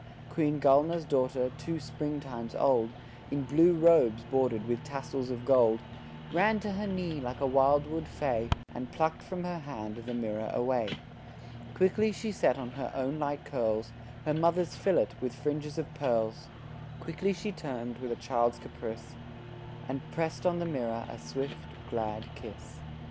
Queen Gulnaar's daughter two spring times old, In blue robes bordered with tassels of gold, Ran to her knee like a wildwood fay, And plucked from her hand the mirror away. Quickly she set on her own light curls Her mother's fillet with fringes of pearls; Quickly she turned with a child's caprice And pressed on the mirror a swift, glad kiss.